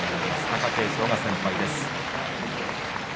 貴景勝が先輩です。